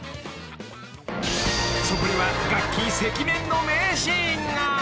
［そこにはガッキー赤面の名シーンが］